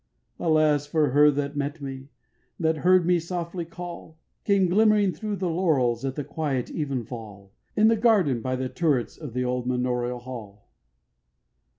11. Alas for her that met me, That heard me softly call, Came glimmering thro' the laurels At the quiet evenfall, In the garden by the turrets Of the old manorial hall.